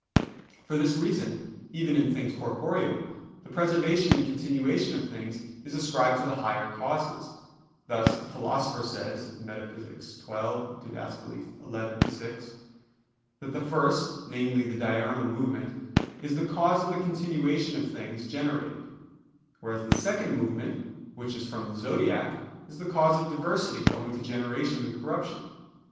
For this reason, even in things corporeal, the preservation and continuation of things is ascribed to the higher causes: thus the Philosopher says (Metaph. xii, Did. xi, 6), that the first, namely the diurnal movement is the cause of the continuation of things generated; whereas the second movement, which is from the zodiac, is the cause of diversity owing to generation and corruption.